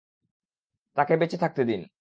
তাকে বেঁচে থাকতে দিন!